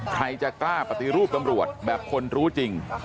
ใครจะกล้าปฏิรูปตำรวจแบบคนรู้จริง